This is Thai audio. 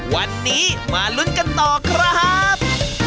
วันนี้มาลุ้นกันต่อครับ